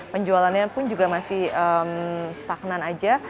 penjualannya pun juga masih stagnan aja